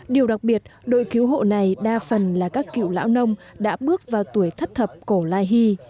điều đặc biệt đội cứu hộ này đa phần là các cựu lão nông đã bước vào tuổi thất thập cổ lai hy